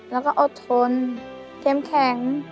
แล้วก็อดทนเข้มแข็ง